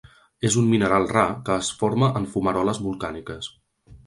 És un mineral rar que es forma en fumaroles volcàniques.